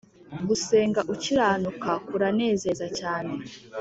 gusenga ukiranuka kuranezeza cyane